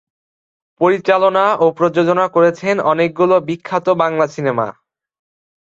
পরিচালনা ও প্রযোজনা করেছেন অনেকগুলি বিখ্যাত বাংলা সিনেমা।